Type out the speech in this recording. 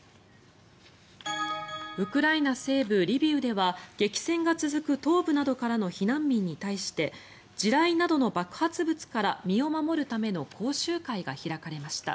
ウクライナ西部リビウでは激戦が続く東部からの避難民に対して地雷などの爆発物から身を守るための講習会が開かれました。